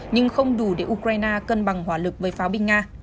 nhưng không đủ để ukraine cân bằng hỏa lực với pháo binh nga